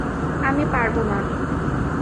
আমি পারব না!